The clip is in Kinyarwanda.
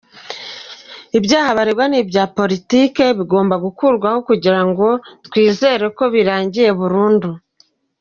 Ibyaha baregwa ni ibya politiki, bigomba gukurwaho kugira ngo twizere ko birangiye burundu.